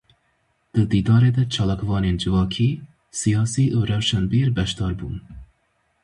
Di dîdarê de çalakvanên civakî, siyasî û rewşenbîr beşdar bûn.